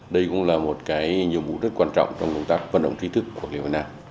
đây cũng là một cái nhiệm vụ rất quan trọng trong công tác vận động trí thức của liên hiệp hội nam